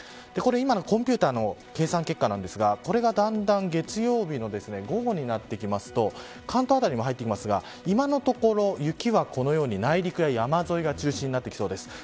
これ、今のコンピューターの検査結果ですが、これがだんだん月曜日の午後になっていきますと関東辺りにも入ってきますが今のところ雪は、内陸や山沿いが中心になってきそうです。